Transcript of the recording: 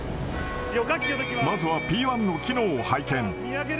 まずはＰー１の機能を拝見。